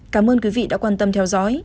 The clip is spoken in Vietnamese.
cảm ơn quý vị đã quan tâm theo dõi